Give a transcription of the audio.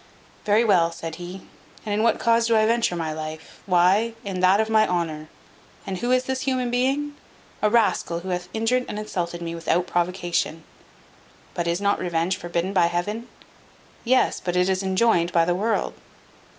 "Very well," said he, "and in what cause do I venture my life? Why, in that of my honour. And who is this human being? A rascal who hath injured and insulted me without provocation. But is not revenge forbidden by Heaven? Yes, but it is enjoined by the world.